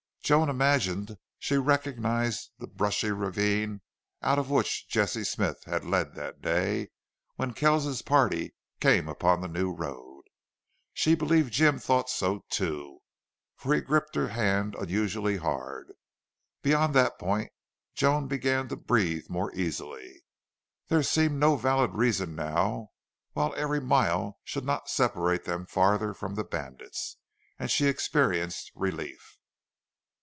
Joan imagined she recognized the brushy ravine out of which Jesse Smith had led that day when Kells's party came upon the new road. She believed Jim thought so, too, for he gripped her hand unusually hard. Beyond that point Joan began to breathe more easily. There seemed no valid reason now why every mile should not separate them farther from the bandits, and she experienced relief.